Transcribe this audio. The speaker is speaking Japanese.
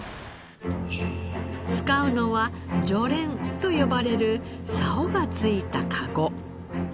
使うのは鋤簾と呼ばれる竿が付いた籠。